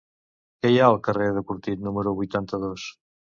Què hi ha al carrer de Cortit número vuitanta-dos?